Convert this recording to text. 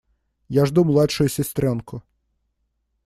Я жду младшую сестренку.